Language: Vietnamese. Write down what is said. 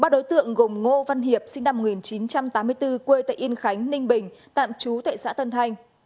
ba đối tượng gồm ngô văn hiệp sinh năm một nghìn chín trăm tám mươi bốn quê tại yên khánh ninh bình tạm chú tại xã tân thanh